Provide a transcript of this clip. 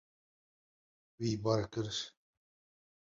Wî bar kir.